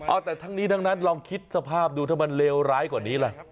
เอาแต่ทั้งนี้ทั้งนั้นลองคิดสภาพดูถ้ามันเลวร้ายกว่านี้ล่ะ